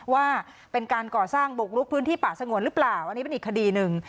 ว่าเป็นการก่อสร้างบุกลุกพื้นที่ป่าสงวนหรือเปล่าอันนี้เป็นอีกคดีหนึ่ง